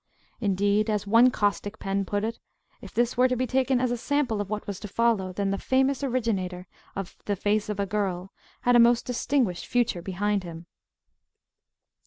Indeed, as one caustic pen put it, if this were to be taken as a sample of what was to follow then the famous originator of "The Face of a Girl" had "a most distinguished future behind him."